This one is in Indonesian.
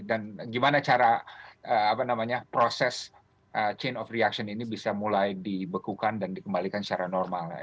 dan gimana cara proses chain of reaction ini bisa mulai dibekukan dan dikembalikan secara normal